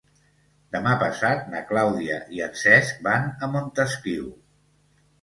Demà passat na Clàudia i en Cesc van a Montesquiu.